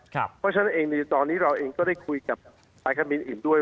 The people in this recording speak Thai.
เพราะฉะนั้นเองในตอนนี้เราเองก็ได้คุยกับสายการบินอื่นด้วย